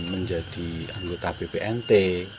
menjadi anggota bpnt